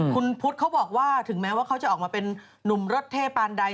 คุณพุทธเขาบอกว่าถึงแม้ว่าเขาจะออกมาเป็นนุ่มรถเท่ปานใด